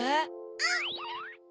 うん！